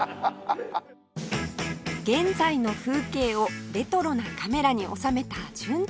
現在の風景をレトロなカメラに収めた純ちゃん